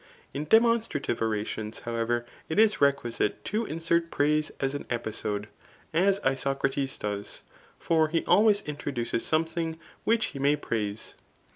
In demonstratiYe orations, however, it us requi* site to insert praise as an episode, as Isocrates does ; finr he always introduces something which he may pradse.